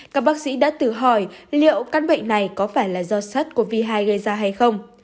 các bác sĩ đã tử hỏi liệu căn bệnh này có phải là do sars cov hai gây ra hay không